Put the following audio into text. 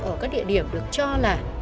ở các địa điểm được cho là